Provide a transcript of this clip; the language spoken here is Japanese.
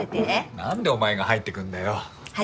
なんでお前が入ってくんだよっ。